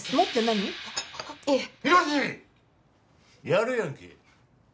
やるやんけ。